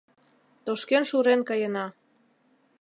Тошкен-шурен каена.